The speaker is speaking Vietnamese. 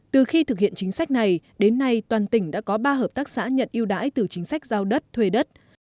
từ khi thực hiện chính sách này đến nay toàn tỉnh đã có ba hợp tác xã nhận yêu đãi từ chính sách giao đất thuê đất